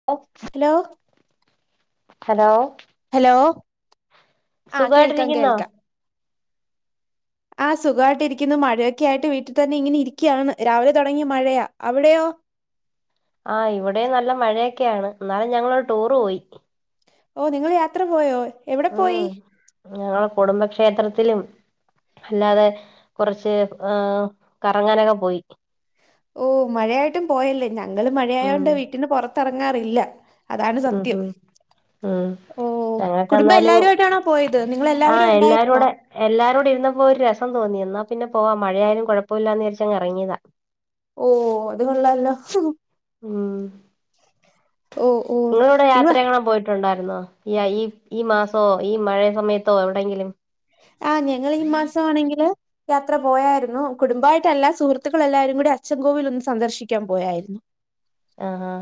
[unintelligible] Hello hello hello ആഹ് കേൾക്കാം സുഖായിട്ടിരിക്കുന്നോ കേൾക്കാം ആഹ് സുഖാേയിട്ടിരിക്കുന്നു മഴയൊക്കെ ആയിട്ട് വീട്ടിത്തന്നെ ഇങ്ങനെ ഇരിക്ക്യാണ് രാവിലെ താെടങ്ങിയ മഴയാ അവ്ടെയോ ആഹ് ഇവിടെം നല്ല മഴയൊക്കെയാണ് ന്നാലും ഞങ്ങളരു ടൂറ് പോയി ഓഹ് നിങ്ങള് യാത്ര പോയോ എവിടെ ഉം പോയി ഞങ്ങള് കുടുംബക്ഷേത്രത്തിലും അല്ലാതെ കൊറച്ച് ആഹ് കറങ്ങാനൊക്കെ പോയി ഓഹ് മഴയായിട്ടും പോയല്ലേ ഞങ്ങള് ഉം മഴായോണ്ട് വീട്ടിന്ന് പാെറത്തറങ്ങാറില്ല അതാണ് ഉം സത്യം ഉം ഉം ഓഹ് ഞങ്ങക്ക് എന്നാലും കുടുംബഎല്ലാരുആയിട്ടാണോ പോയത് നിങ്ങളെല്ലാവരും ഉണ്ടായിരുന്നോ എല്ലാരുംടി ഇര്ന്നപ്പോ ഒരു രസം തോന്നി എന്നാ പിന്നെ പോവാ മഴയാലും കാെഴപ്പമില്ലാന്ന്ചരിച്ചാ അങ് എറങ്ങ്യാതാ ഓഹ് അത് കൊള്ളാലൊ ഉം ഓ ഓ [inaudible] ഇങ്ങളിവിടെ നിങ്ങ യാത്രയൊന്നും പോയിട്ട് ട്ടുണ്ടായിരുന്നോ ഈ അയീ ഈ മാസമോ ഈ മഴയസമയത്തോ എവിടെയങ്കിലും ആഹ് ഞങ്ങള് ഈ മാസമാണെങ്കില് യാത്ര പോയായിരുന്നു കുടുംബായിട്ടല്ലാ സുഹൃത്തുക്കളെല്ലാരും കൂടെ അച്ഛൻകോവിൽ ഒന്ന് സന്ദർശിക്കാൻ പോയായിരുന്നു ആഹ്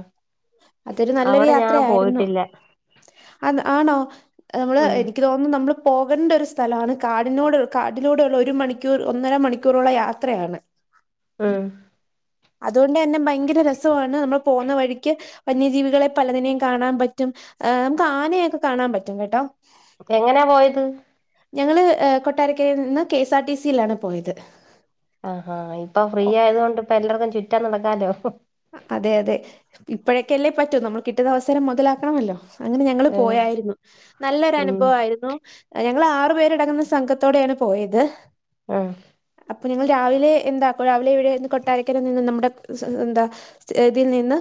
അതൊരു നല്ലൊരു അവിടെ ഞാൻ യാത്രയായിരുന്നു പോയിട്ടില്ല ആന്ന് ആണോ നമ്മള് ഉം എനിക്ക് തോന്നുന്നു നമ്മള് പോകണ്ട ഒരു സ്ഥ സ്ഥലാണ് കാടിനോട് കാടിലൂടെള്ളഒരു മണിക്കൂർ ഒന്നര മണിക്കൂറുള്ള യാത്രയാണ് ഉം അതോണ്ട് എന്നെ ഭയങ്കര രസവാണ് നമ്മൾ പോന്ന വഴിക്ക് വന്യജീവികളെ പലതിനെയും കാണാൻ പറ്റും ഏ് നമുക്ക് ആനയൊക്കെ കാണാൻ പറ്റും കേട്ടോ എങ്ങനാ പോയത് ഞങ്ങള് എഹ് കൊട്ടാരക്കരീന്ന് കെ എസ് ആർ ടി സിയിലാണ് പോയത് ആഹ് ആഹ് ഇപ്പൊ ഫ്രീ ഓ, ആയത്കൊണ്ട് ഇപ്പ എല്ലർക്കും ചുറ്റാൻ നടക്കാലോ അതെ അതെ ഇപ്പഴൊക്കല്ലേ പറ്റൂ നമ്മൾ കിട്ടുന്ന അവസരം മാെതലാക്കണമല്ലോ അങ്ങനെ ഞങ്ങള് ഉം പോയായിരുന്നു ഉം നല്ലൊരനുഭവായിരുന്നു ഞങ്ങള് ആറു പേരടങ്ങുന്ന സംഘത്തോടെണ് പോയത് ആഹ് അപ്പൊ ഞങ്ങൾ രാവിലെ എന്താക്കും രാവിലെ ഇവിടെന്ന് കൊട്ടാരക്കാര നിന്ന് നമ്മുടെ സ്വ ന്താ ഇതിൽ നിന്ന്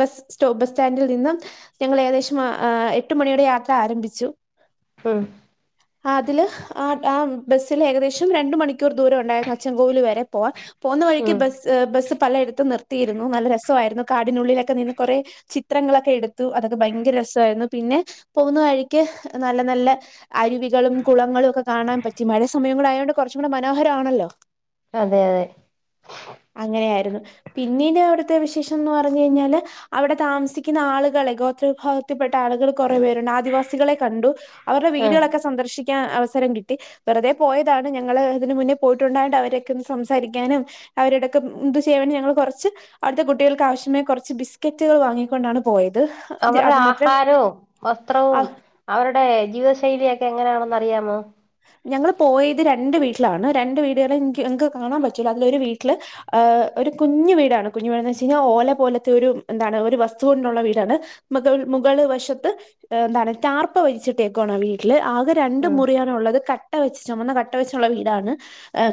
ബസ് സ്റ്റോ ബസ് സ്റ്റാൻഡിൽ നിന്നും ഞങ്ങൾ ഏകദേശം ആഹ് ആഹ് എട്ട് മണിയൊടെ യാത്ര ആരംഭിച്ചു ഉം ആതില് ആ ആ ബസ്സിില് ഏകദേശം രണ്ട് മണിക്കൂർ ദൂരൊണ്ടാര്ന്നു അച്ച്ചൻകോവില് വരെ പോവാൻ പോന്ന വഴിക്ക് ഉം ബസ് ബസ്സ് പലയിടത്തും നിർത്തിയിരുന്നു നല്ല രസവാരുന്നു കാടിനുള്ളിലക്കെ നിന്ന് കൊറെ ചിത്രങ്ങളക്കെ എടുത്തു അതൊക്കെ ഭയങ്കര രസരുന്നു പിന്നെ പോകുന്ന വഴിക്ക് നല്ല നല്ല അരുവികളും കുളങ്ങളുക്കെ കാണാൻ പറ്റി. മഴ സമയോം കൂടെ ആയോണ്ട് കൊറച്ചും കൂടെ മനോഹരണല്ലോ. അതെ അതെ അങ്ങനെയാരുന്നു പിന്നീട് അവിടുത്തെ വിശേഷംന്ന് പറഞ് കയിഞ്ഞാല് അവിടെ താമ്സിക്കുന്ന ആളുകളെ ഗോത്ര വിഭാഗത്തിപ്പെട്ട ആളുകൾ കൊറെ പേരുണ്ട് ആദിവാസികളെ കണ്ടു അവറെ ഉം വീടുകളക്കെ സന്ദർശിക്കാ അവസരം കിട്ടി വെറുതെ പോയതാണ് ഞങ്ങള് ഇതിന് മുന്നേ പോയിട്ടുണ്ടായൊണ്ട് അവരൊക്കെ ഒന്ന് സംസാരിക്കാനും അവരൊടൊക്കെ എന്ത് സേവന ഞങ്ങൾ കൊറ ച്ച് അവിട്ത്തെ കുട്ടികൾക്ക് ആവശ്യമെ കൊറച്ച് ബിസ്ക്കറ്റുകൾ വാങ്ങിക്കൊണ്ടാണ് പോയത് അവറെ അത് മാത്രേ ആഹാരോ വസ്ത്രവും അവർടെ ജീവിത ശൈലിയെക്കെ എങ്ങനണന്ന് അറിയാമോ ഞങ്ങള് പോയത് രണ്ട് വീട്ടിലാണ് രണ്ട് വീട്കള് [unintelligible] എങ്ക് കാണാൻ പറ്റ്ല അതിലൊരു വീട്ടില് ഹ് ഒരു കുഞ്ഞു വീടാണ് കുഞ്ഞു വീടന്ന് വെച്ചച്ച് കഴിഞ്ഞാൽ ഓല പോലത്തെ ഒരു എന്താണ് ഒരു വസ്തു കൊണ്ടുള്ള വീടാണ് മകൾ മുകൾ വശത്ത് എന്താണ് റ്റാർപ്പ വലിച്ചിട്ടേക്കണ് ആ വീട്ടില് ആ രണ്ട് ഉം മുറിയാണോള്ളത് കട്ട വെച്ച് ചൊമന്ന കട്ടവെച്ചോള്ള വീടാണ്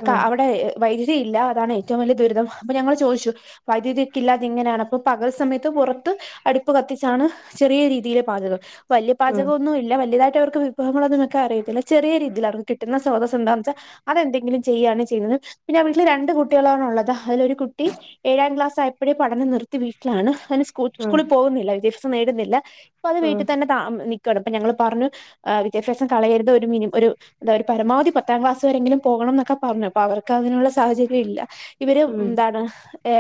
ഉം അവിടെ വൈദ്യുതി ഇല്ല. അതാണ് ഏറ്റോം വല്യ ദുരിതം അപ്പൊ ഞങ്ങൾ ചോച്ചു വൈദ്യുതക്കില്ലാതങ്ങനാണ്. അപ്പൊ പകൽ സമെത്ത് പുറത്ത് അടുപ്പ് കത്തിച്ചാണ് ചെറിയ രീതിലെ പാചകം വല്യ ഉം പാചകോന്നു ഇല്ല വല്യതട്ട് അവർക്ക് വിഭവങ്ങളോന്നും വെക്കാൻ അറിയത്തില്ല ചെറിയ രീതി തി അവർക്ക് കിട്ട്ന്ന സൊതസെന്തന്ന്വെച്ച അതെന്തെങ്കിലും ചെയ്യാണ് ചെയ്യുന്നത് പിന്നെ വീട്ടില് രണ്ട് കുട്ടികളാണള്ളത് അതിലൊരു കുട്ടി ഏഴാം ക്ലാസ് ആയപ്പോഴേ പഠനം നിർത്തി. വീട്ടിലാണ് അതിന് സ്കു ഉം സ്കൂളി പോകുന്നില്ല വിദ്യാഭ്യാസം നേടുന്നില്ല അപ്പൊ അത് ഉം വീട്ടി തന്നെ ത നിക്കണ് പ്പൊ ഞങ്ങള് പറന്ന് വിദ്യാഭ്യാസം കളയരുത് ഒരു മിനി ഒരു ന്ത ഒരു പരമാധി പത്താം ക്ലാസ് വരെങ്കിലും പോകണം എന്നൊക്കെ പറഞ്ഞു അപ്പൊ അവർക്ക് അതിനുള്ള സാഹചര്യം ഇല്ല ഇവര് ഉം എന്താണ്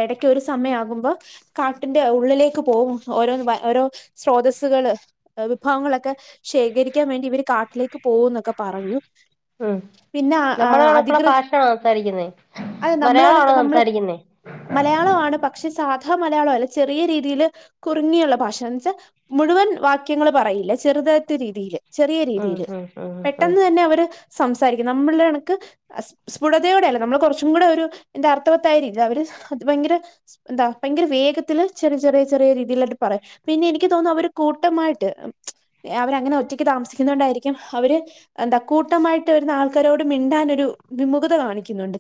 എടക്കൊരു സമയകുമ്പോ കാട്ടിന്റെ ഉള്ളിലേക്ക് പോകും ഓരോ ഓരോ സ്രോതസ്സുകള് വിഭവങ്ങളക്കെ ശേഖരിക്കാൻ വേണ്ടി ഇവർ കാട്ടിലേക്ക് പോകുന്നൊക്കെ പറഞ്ഞു ഉം പിന്നെ നമ്മുടെ കണക്കുള്ള അധികൃ ഭാഷയാണോ സംസാരിക്കുന്നേ അൽ നമ്മള് മലയാളമാണോ കണക്ക് നമ്മള് സംസാരിക്കുന്നേ മലയാളവാണ്. പക്ഷെ സാധാ മലയാളം അല്ല ചെറിയ രീതിൽ കുറുങ്ങിയുള്ള ഭാഷന്ന് വെച്ചാൽ മുഴുവൻ വാക്യങ്ങൾ പറയില്ല ചെറുതത്ത രീതിൽ ചെറിയ ഉം രീതിൽ ഉം ഉം ഉം പെട്ടെന്ന് തന്നെ അവ ര് സംസാരിക് നമ്ള് കണക്ക് സ്ഫുടതയോടെയല്ല നമ്മള് കുറച്ചും കൂടെ ഒരു എന്റ അർത്ഥവത്തായരി അവര്ത് ഭയങ്കര എന്താ ഭയങ്കര വേഗത്തിൽ ചെറിയ ചെറിയ ചെറിയ രീതിയിലായിട്ട് പറയ്യും പിന്നെ എനിക്ക് തോന്നു അവര് കൂട്ടമായിട്ട് അവരങ്ങനെ ഒറ്റക്ക് താമസിക്കുന്നൊണ്ടാരിക്കും അവര് എന്ത കൂട്ടമായിട്ട് വരുന്ന ആൾക്കാരോട് മിണ്ടാൻ ഒരു വിമുഖത കാണിക്കുന്നുണ്ട്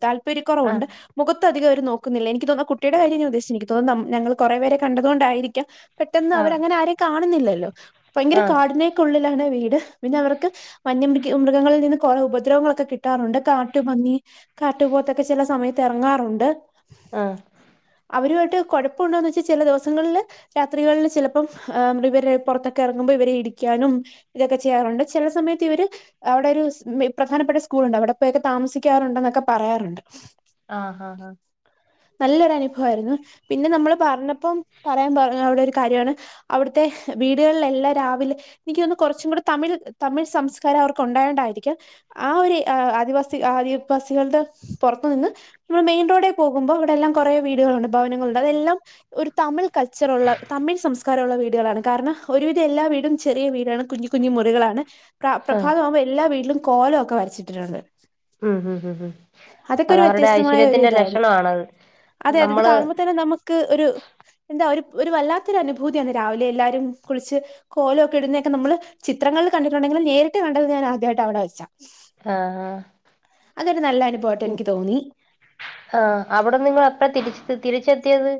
ആഹ് താല്പര്യക്കുറവുണ്ട് മുഖത്ത് അധികം അവർ നോക്കുന്നില്ല എനിക്ക് തോന്ന കുട്ടിടെ കാര്യ ഞാ ഉദ്ദേശിച്ച് നിക് തോന്ന് ഞങ്ങള് കുറെവെരെ കണ്ടതുകൊണ്ടായിരിക്കാം പെട്ടെന്ന് ആഹ് അവരങ്ങനെ ആരേം കാണുന്നില്ലല്ലോ ഭയങ്കര ആഹ് കാടിനെ ക്കുള്ളിലാണ് വീട് പിന്നെ അവർക്ക് വന്യമൃ [unintelligible] മൃഗങ്ങളിൽ നിന്ന് കുറെ ഉപദ്രവങ്ങളൊക്കെ കിട്ടാറുണ്ട് കാട്ടുപന്നി കാട്ടുപോത്തൊക്കെ ചെല സമയത്ത് എറങ്ങാറുണ്ട് ആഹ് അവരുആയിട്ട് കുഴപ്പമുണ്ടോന്ന് വെച്ചാൽ ചെല ദിവസങ്ങളില് രാത്രികളിൽ ചിലപ്പം ഇവരെ പുറത്തൊക്കെ ഇറങ്ങുമ്പോൾ ഇവരെ ഇടിക്കാനും ഇതൊക്കെ ചെയ്യാറുണ്ട് ചില സമയത്ത് ഇവര് അവിടെ ഒരു പ്രധാനപ്പെട്ട സ്കൂൾ ഉണ്ട് അവിടെ പോയക്കെ താമസിക്കാറുണ്ട എന്നൊക്കെ പറയാറുണ്ട് ആഹ് ആഹ് ആഹ് നല്ലൊരു അനുഭവ ആയിരുന്നു പിന്നെ നമ്മള് പറഞ്ഞപ്പം പറയാൻ പറ അവിടെ ഒരു കാര്യണ് അവിടുത്തെ വീടുകളിലെല്ലാം രാവിലെ എനിക്ക് തോന്നുന്ന് കുറച്ചും കൂടെ തമിഴ് തമിഴ് സംസ്കാരം അവർ കൊണ്ടായോണ്ടായിരിക്കാം ആ ഒരു ആദിവാസി ആദിവാസികളുടെ പുറത്തു നിന്ന് നമ്മൾ മെയിൻ റോഡ പോകുമ്പോ അവിടെല്ലാം കുറെ വീടുകളുണ്ട് ഭവനങ്ങളുണ്ട് അതെല്ലാം ഒരു തമിഴ് കൾച്ചറുള്ള തമിഴ് സംസ്കാരള്ള വീടുകളാണ് കാരണം ഒരുവിധം എല്ലാ വീടും ചെറിയ വീടാണ് കുഞ്ഞു കുഞ്ഞി മുറികളാണ് പ്ര ആഹ് പ്രഭാതാവുമ്പോൾ എല്ലാ വീട്ടിലും കോലൊക്കെ വരച്ചിട്ടിട്ടുണ്ട് ഉമ് ഉമ് ഉമ് ഉമ് അതൊക്കെ ഒരു അതവരുടെ വ്യത്യസ്തമായ ഒരു ഐശ്വര്യത്തിന്റെ ലക്ഷണ ഇതായിരുന്നു ആണത് അതെ അതെ ഇത് കാണുമ്പോൾ തന്നെ നമുക്ക് ഒരു എന്താ ഒരു ഒരു വല്ലാത്തൊരു അനുഭൂതിയാണ് രാവിലെ എല്ലാവരും കുളിച്ച് കോലൊക്കെ ഇടുന്നതൊക്കെ നമ്മള് ചിത്രങ്ങളിൽ കണ്ടിട്ടുണ്ടെങ്കിലും നേരി ട്ട് കണ്ടത് ഞാൻ ആദ്യയിട്ട് അവിടെ വെച്ചാ ആഹ് അതൊരു നല്ല അനുഭവായിട്ട് എനിക്ക് തോന്നി ആഹ് അവിടെന്ന് നിങ്ങ എപ്പ തിരിച്ചെ തിരിച്ചെത്തിയത്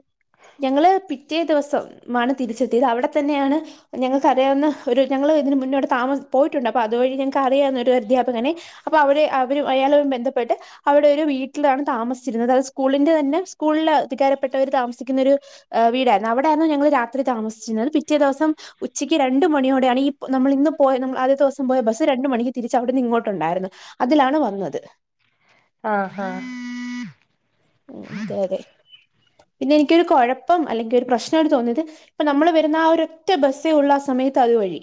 ഞങ്ങള് പിറ്റേ ദിവസം മാണ് തിരിച്ചെത്തിയത് അവിടെ തന്നെയാണ് ഞങ്ങൾക്ക അറിയാവുന്ന ഒരു ഞങ്ങൾ ഇതിന് മുന്നോട്ട് താമസ പോയിട്ടുണ്ട് അപ്പൊ അതുവഴി ഞങ്ങക്ക് അറിയാവുന്ന ഒരു അധ്യാപകനെ അപ്പൊ അവര് അവരും അയാളും ബന്ധപ്പെട്ട് അവിടെ ഒരു വീട്ടിലാണ് താമിച്ചിരുന്നത് അത് സ്കൂളിന്റെ തന്നെ സ്കൂളിൽ അധികാരപ്പെട്ടവര് താമസിക്ക ന്നൊരു വീടായിരുന്നു അവിടെയാരുന്നു ഞങ്ങള് രാത്രി താമസിച്ചിരുന്നത് പിറ്റേ ദിവസം ഉച്ചയ്ക്ക് രണ്ടു മണിയോടെ ആണ് ഈ നമ്മൾ ഇന്ന് പോയ നമ്മൾ ആദ്യ ദിവസം പോയ ബസ് രണ്ടു മണിക്ക് തിരിച്ച് അവിടുന്ന് ഇങ്ങോട്ടുണ്ടായിരുന്നു അതിലാണ് വന്നത് ആഹ് ആഹ് ഉമ് അതെ അതെ പിന്നെ എനിക്കൊരു കുഴപ്പം അല്ലെങ്കിൽ ഒരു പ്രശ്നായി തോന്നിയത് ഇപ്പൊ നമ്മൾ വരുന്ന ആ ഒരൊറ്റ ബസ്സെ ഉള്ള ആ സമയത്ത് അതുവഴി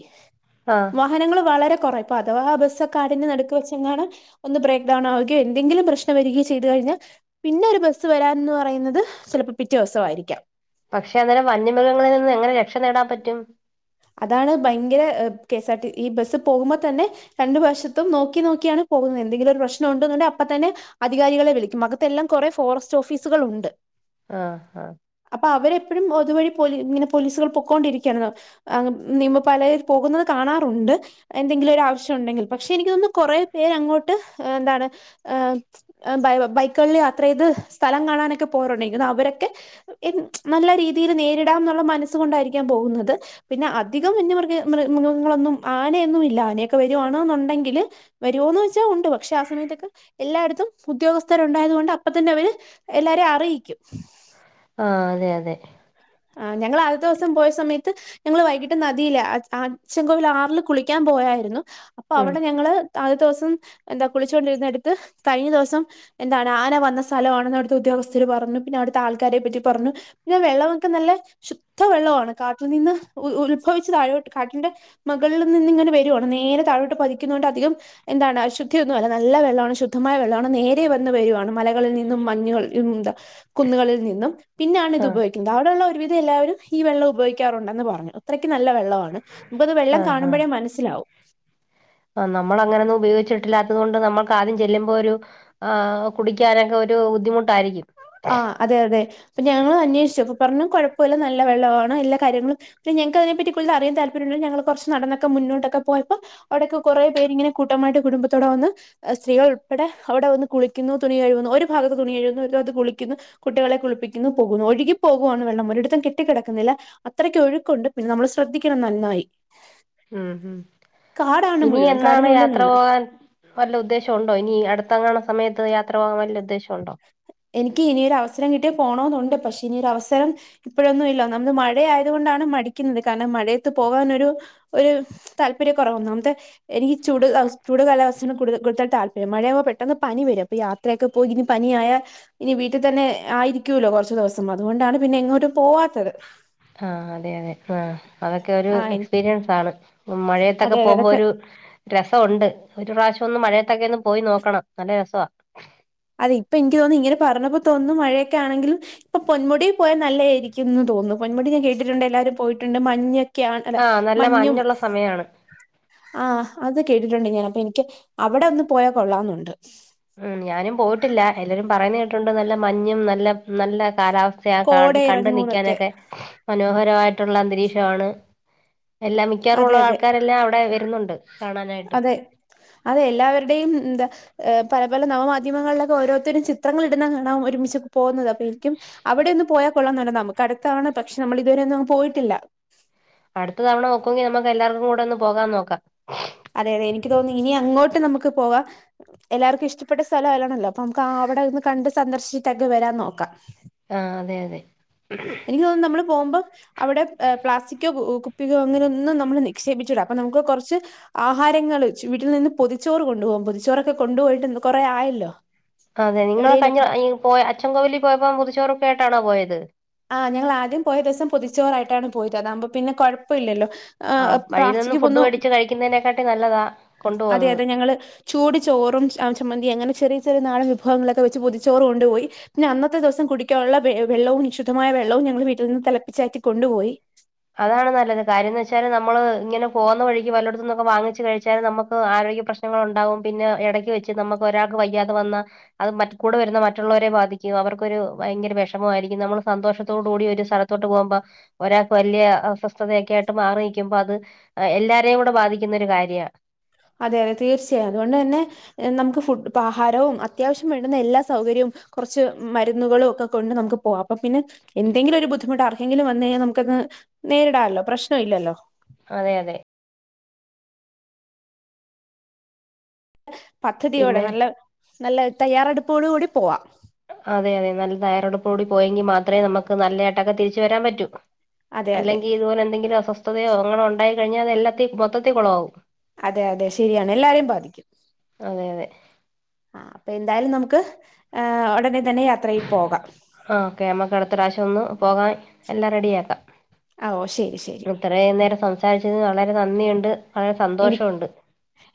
ആഹ് വാഹനങ്ങൾ വളരെ കുറ ഇപ്പ അഥവാ ആ ബസക്കെ അതിഞ്ഞ് നടുക്ക്ക് വെച്ച ങ്ങാനും ഒന്ന് ബ്രേക്ക് ഡൗൺ ആവുകയോ എന്തെങ്കിലും പ്രശ്ന വരികയോ ചെയ്തു കഴിഞ്ഞാൽ പിന്നെ ഒരു ബസ്സ് വരാൻന്ന് പറയുന്നത് ചിലപ്പോ പിറ്റേ ദിവസായിരിക്കാം പക്ഷെ അന്നേരം വന്യ മൃഗങ്ങളിൽ നിന്ന് എങ്ങനെ രക്ഷ നേടാൻ പറ്റും അതാണ് ഭയങ്കര കെ എസ് ആർ ടി ഈ ബസ് പോകുമ്പോൾ തന്നെ രണ്ടു വശത്തും നോക്കി നോക്കിയാണ് പോകുന്നത് എന്തെങ്കിലും ഒരു പ്രശ്നം ണ്ട് തന്നെ അപ്പൊ തന്നെ അധികാരികളെ വിളിക്കും അകത്തെ എല്ലാം കുറെ ഫോറസ്റ്റ് ഓഫീസുകൾ ഉണ്ട് ആഹ് ആഹ് അപ്പൊ അവരെപ്പോഴും ഒതുവഴി പോല ഇങ്ങനെ പോലീസുകൾ പൊക്കൊണ്ടിരിക്കുകണോ അഹ് നിയമ പാല പോകുന്നത് കാണാറുണ്ട് എന്തെങ്കിലും ഒരു ആവശ്യം ഉണ്ടെങ്കിൽ പക്ഷെ എനിക്ക തോന്നുന്ന് കൊറെ പേര് അങ്ങോട്ട് എന്താണ് ബൈ ബൈക്കുകളിൽ യാത്ര ചെയ്ത് സ്ഥലം കാണാനൊക്കെ പോറുണ്ടെങ്കിൽ അഹ് അവരൊക്കെ നല്ല രീതിയിൽ നേരിടാം എന്നുള്ള മനസ്സു കൊണ്ടായിരിക്കാൻ പോകുന്നത് പിന്നെ അധികം വന്യമൃഗ മൃ മൃഗങ്ങളൊന്നും ആനയൊന്നും ഇല്ല ആനൊക്കെ വരുവാണെന്നുണ്ടെങ്കില് വരുവോന്ന് വെച്ചാൽ ഉണ്ട് പക്ഷെ ആ സമയത്തൊക്കെ എല്ലായിടത്തും ഉദ്യോഗസ്ഥരുണ്ടായത് കൊണ്ട് അപ്പ തന്നെ അവര് എല്ലാരെയും അറിയിക്കും ആഹ് അതെ അതെ ആഹ് ഞങ്ങൾ ആദ്യത്തെ ദിവസം പോയ സമയത്ത് ഞങ്ങള് വൈകിട്ട് നദിയില അച്ചൻകോവൽ ആറില് കുളിക്കാൻ പോയായിരുന്നു അപ്പൊ ഉം അവിടെ ഞങ്ങള് ആദ്യത്തെ ദിവസം എന്താ കുളിച്ചോണ്ടിരുന്ന അടുത്ത് കഴിഞ്ഞ ദിവസം എന്താണ് ആന വന്ന സ്ഥലമാണെന്ന് അവിടുത്തെ ഉദ്യോഗസ്ഥര് പറഞ്ഞു പിന്നെ അവിടത്തെ ആൾക്കാരെ പറ്റി പറഞ്ഞു പിന്നെ വെള്ള ക്കെ നല്ല ശുദ്ധ വെള്ളവാണ് കാട്ടിൽ നിന്ന് ഉ ഉത്ഭവിച്ച താഴോട്ട് കാട്ടിന്റെ മകളിൽ നിന്ന്ങ്ങനെ വരുവാണ് നേരെ താഴോട്ട് പതിക്കുന്നൊണ്ട് അധികം എന്താണ് അശുദ്ധിയൊന്നുവല്ല നല്ല വെള്ളവാണ് ശുദ്ധമായ വെള്ളവാണ് നേരെ വന്ന് വരുവാണ് മലകളിൽ നിന്നും മഞ്ഞുകൾ ന്താ കുന്നുകളിൽ നിന്നും പിന്നാണിത് ആഹ് ഉപയോഗിക്കുന്നത് എന്താവിടെയുള്ള ഒരുവിധം എല്ലാവരും ഈ വെള്ളം ഉപോയ്ക്കാറുണ്ടെന്ന് പറഞ്ഞു അത്രക്ക് നല്ല വെള്ളവാണ് മ്പത് വെള്ളം ആഹ് ആഹ് കാണുമ്പഴേ മനസ്സിലാവും ആഹ് നമ്മളങ്ങനൊന്നും ഉപയോഗിച്ചിട്ടില്ലാത്തത് കൊണ്ട് നമ്മൾക്ക് ആദ്യം ചെല്ലുമ്പൊരു ആഹ് കുടിക്കാനൊക്കൊരു ബുദ്ധിമുട്ടാരിക്കും ആഹ് അതെ അതെ അപ്പ ഞങ്ങളന്വേഷിച്ച് അപ്പൊ പറഞ്ഞു കുഴപ്പില്ല നല്ല വെള്ളവാണ് എല്ലാ കാര്യങ്ങളും പിന്നെ ഞങ്ങ്ക്കതിനെപറ്റി കൂടലറിയാൻ താല്പര്യള്ളോ ഞങ്ങള് കൊറച്ച് നടന്നൊക്കെ മുന്നോട്ടൊക്കെ പോയപ്പൊ അവിടെക്കെ കൊറേ പേരിങ്ങനെ കൂട്ടമായിട്ട് കുടുംബത്തോടെ വന്ന് സ്ത്രീകളുൾപ്പെടെ അവിടെവന്ന് കുളിക്കുന്നു തുണികഴുവുന്നു ഒരു ഭാഗത്ത് തുണി കഴുവുന്നു ഒരു ഭാഗത്ത് കുളിക്കുന്നു ക്കുന്നു കുട്ടികളെ കുളിപ്പിക്കുന്നു പോകുന്നു ഒഴുകി പോകുവാണ് വെള്ളം ഒരിടത്തും കെട്ടി കെടക്കുന്നില്ല അത്രക്കൊഴുക്കുണ്ട് പിന്നെ നമ്മള് ശ്രദ്ധിക്കണം നൻന്നായി ഉം ഉം ഇനി എന്നാണ് കാടിനുള്ളിലാണ് യാത്രപോകാൻ വല്ല ഉദ്ദേശവൊണ്ടോ ഇനി അടുത്തെങ്ങാണും സമയത്ത് യാത്ര പോകാൻ വല്ല ഉദ്ദേശൊവൊണ്ടോ എനിക്ക് ഇനിയൊരു അവസരം കിട്ടിയാ പോണോന്നൊണ്ട് പക്ഷേ ഇനിയൊരവസരം ഇപ്പോഴൊന്നുവില്ല ഒന്നാമത് മഴ ആയത് കൊണ്ടാണ് മടിക്കുന്നത് കാരണം മഴയത്ത് പോവാനൊരു ഒരു താല്പര്യകൊറവ് ഒന്നാമത്തെ എനിക്ക് ചൂട് ചൂട്കാലാവസ്ഥയാണ് കൂട് കൂടുതൽ താല്പര്യം മഴയാവുമ്പൊ പെട്ടെന്ന് പനി വരും അപ്പൊ യാത്രയൊക്കെ പ്പോയിനി പനിയായ ഇനി വീട്ടിതന്നെ ആയിരിക്കൂല്ലോ കൊറച്ച് ദിവസം അതുകൊണ്ടാണ് പിന്നെ എങ്ങോട്ടും പോവാ ആഹ് അതെ അതെ ആഹ് അതൊക്കെ ഒരു ആ എക്സ്പീരിയൻസാണ് ഉം അതെ മഴയത്തൊക്കെ അതെ പോമ്പൊ അതൊക്കെ ഒരു രസവൊണ്ട് ഒരു പ്രാവശ്യൊന്ന് മഴയത്തൊക്കെന്ന് പോയി നോക്കണം നല്ല രസവ അതെ ഇപ്പൻക്ക് തോന്നുന്നു ഇങ്ങനെ പറഞ്ഞപ്പോ തോന്നുന്നു മഴയക്കെയാണെങ്കിലും ഇപ്പൊ പൊന്മുടി പോയാ നല്ലയായിരിക്കുന്ന് തോന്നുന്നു പൊന്മുടി ഞാൻ കേട്ടിട്ടുണ്ട് എല്ലാരും പോയിട്ടുണ്ട് മഞ്ഞ് ക്കെയാണ് അല്ല ആഹ് നല്ല മഞ്ഞും മഞ്ഞുള്ള സമയാണ് ആഹ് അത് കേട്ടിട്ടൊണ്ട് ഞാനപ്പൊ എൻക്ക് അവിടൊന്ന് പോയാ കൊള്ളാന്നൊണ്ട് ഉം ഞാനും പോയിട്ടില്ല എല്ലരും പറയുന്ന കേട്ടിട്ടൊണ്ട് നല്ല മഞ്ഞും നല്ല നല്ല കാലാവസ്ഥ സ്ഥയാ കോട കാണ് ഇറങ്ങൂന്നൊക്കെ കണ്ട്നിക്കാനൊക്കെ മനോഹരവായിട്ടുള്ള അന്തരീക്ഷവാണ് എല്ലാം അതെ മിക്കാറുള്ള അതെ ആൾക്കാരെല്ലാം അവിടെ വെരുന്നൊണ്ട് അതെ അതെ എല്ലാവരുടെയും ന്താ പല പല നവമാധ്യമങ്ങളിലൊക്കെ ഓരോത്തരും ചിത്രങ്ങൾ ഇടുന്നകാണാം ഒരുമിച്ചൊക്കെ പോവുന്നതൊക്കെ എനിക്കും അവിടെയൊന്ന് പോയാകൊള്ളാന്നൊണ്ട് നമ്ക്കടുത്താണ് പക്ഷെ നമ്മൾ ഇതുവരെ ഒന്നുവങ് പോയിട്ടില്ലല്ലോ അടുത്ത തവണ ഒക്കുവെങ്കി നമുക്കെല്ലാർക്കും കൂടൊന്ന് പോകാൻ നോക്കാം അതെ അതെ എനിക്ക് തോന്നുന്നു ഇനി അങ്ങോട്ട് നമുക്ക് പോവാം എല്ലാർക്കും ഇഷ്ടപ്പെട്ട സ്ഥലാല്ലാണല്ലോ അപ്പൊ നമുക്ക് ആ അവിടെ ഒന്ന് കണ്ട് സന്ദർശിച്ചിട്ടെക്കെ വരാൻ നോക്കാം ആഹ് അതെ അതെ എനിക്ക് തോന്നുന്നു നമ്മള് പോമ്പം അവിടെ പ്ലാസ്റ്റിക്കൊ കുപ്പികോ അങ്ങനെ ഒന്നും നമ്മള് നിക്ഷേപിച്ചൂട അപ്പൊ നമുക്ക് കൊറച്ച് ആഹാരങ്ങള് ച്ച് വീട്ടിൽ നിന്ന് പൊതിച്ചോറ് കൊണ്ട്പോം പൊതിച്ചോറൊക്കെ കൊണ്ടുപോയിട്ട് കൊറെ ആയല്ലോ അതെ നിങ്ങള് കയിഞ്ഞ എവിടെേലൊക്കെ ഈ പോയ അച്ചൻകോവലിപോയപ്പോ പൊതിച്ചോറൊക്കെ ആയിട്ടാണോ പോയത് ആഹ് ഞങ്ങളാദ്യം പോയ ദിവസം പതിച്ചോറായിട്ടാണ് പോയത് അതാവുമ്പൊ പിന്നെ കൊഴപ്പില്ലല്ലോ ആഹ് വഴിൽ നിന്നും ഫുഡ് മേടിച്ച് കഴിക്കുന്നേനെക്കാട്ടി നല്ലതാ അതെ കൊണ്ടുപോകുന്നത് അതെ ഞങ്ങള് ചൂട്ചോറും ച ചമ്മന്തി അങ്ങനെ ചെറിയ ചെറിയ നാടൻ വിഭവങ്ങളൊക്കെ വെച്ച് പൊതിച്ചോറ് കൊണ്ടുപോയി പിന്നന്നത്തെ ദെവസം കുടിക്കാള്ള വെ വെള്ളവും ശുദ്ധമായ വെള്ളവും ഞങ്ങള് വീട്ടിൽ നിന്ന് തെളപ്പിച്ചാറ്റി കൊണ്ടുപോയി അതാണ് നല്ലത് കാര്യന്ന് വെച്ചാല് നമ്മള് ഇങ്ങനെ പോവുന്ന വഴിക്ക് വല്ലോടത്തുന്നൊക്കെ വാങ്ങിച്ച് കഴിച്ചാലും നമ്മക്ക് ആരോഗ്യപ്രശ്നം ശ്നങ്ങളൊണ്ടാവും പിന്നെ എടയ്ക്ക് വെച്ച് നമക്കൊരാക്ക് വയ്യാതെ വന്ന അത് മറ്റ് കൂടെ വരുന്ന മറ്റുള്ളോരെ ബാധിക്കും അവർക്കൊരു ഭയങ്കര വെഷമവായിരിക്കും നമ്മൾ സന്തോഷത്തോട് കൂടി ഒരു സ്ഥല ത്തോട്ട് പോവുമ്പോ ഒരാക്ക് വല്യ അസ്വസ്ഥതയൊക്കെ ആയിട്ട് മാറി നിക്കുമ്പോ അത് ആഹ് എല്ലാരേം കൂടെ ബാധിക്കുന്നൊരു കാര്യാ അതെ അതെ തീർച്ചയായും അതുകൊണ്ട് തന്നെ ഏഹ് നമുക്ക് ഫുഡ് ഇപ്പ ആഹാരവും അത്യാവിശ്യം വേണ്ടുന്ന എല്ലാ സൗകര്യോം കൊറച്ച് മരുന്നുകളും ഒക്കെ കൊണ്ട് നമുക്ക് പോവാം അപ്പൊ പിന്നെ എന്തെങ്കിലൊരു ബുദ്ധിമുട്ടാർക്കെങ്കിലും വന്ന് കഴിങ്ങാൽ നമുക്കത് നേരിടാല്ലോ പ്രശ്നവില്ലല്ലോ അതെ അതെ പദ്ധതിയോടെ പിന്നെ നല്ല നല്ല തയ്യാറെടുപ്പോട് കൂടി പോവാം അതെ അതെ നല്ല തയ്യാറെടുപ്പോടു കൂടി പോയെങ്കി മാത്ര നമ്മക്ക് നല്ലായിട്ടൊക്കെ തിരിച്ചു വരാൻ പറ്റൂ അതെ അതെ അല്ലെങ്കി ഇതുപോലെന്തെങ്കിലും അസ്വസ്ഥതയോ അങ്ങാണൊണ്ടായി കഴിഞ്ഞാ അത് എല്ലാത്തി മൊത്തത്തി കൊളവാവും അതെയതെ ശരിയാണ് എല്ലാരെം ബാധിക്കും അതെ അതെ ആഹ് അപ്പൊ എന്തായാലും നമുക്ക് ഏഹ് ഉടനെ തന്നെ യാത്രയിൽ പോകാം ആഹ് ഓക്കെ നമ്മക്ക് അടുത്ത പ്രാവശ്യം ഒന്ന് പോകാൻ എല്ലാം റെഡിയാക്കാം ആഹ് ഓ ശരി ശരി ഇത്രേം നേരം സംസാരിച്ചതിന് വളരെ നന്ദിയുണ്ട് വളരെ എനി സന്തോഷവൊണ്ട്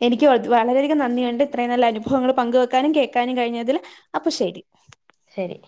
എനിക്ക് വ വളരെയധികം നന്ദിയുണ്ട് ഇത്രയും നല്ല അനുഭവങ്ങൾ പങ്ക് വെക്കാനും കേൾക്കാനും കഴിഞ്ഞതില് അപ്പൊ ശരി ശരി